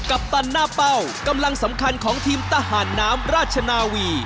ปตันหน้าเป้ากำลังสำคัญของทีมทหารน้ำราชนาวี